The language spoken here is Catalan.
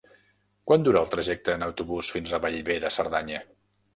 Quant dura el trajecte en autobús fins a Bellver de Cerdanya?